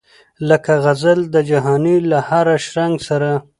لکه غزل د جهاني له هره شرنګه سره